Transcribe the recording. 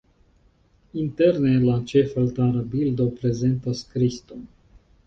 Interne la ĉefaltara bildo prezentas Kriston.